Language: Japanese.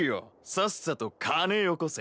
さっさと金よこせ。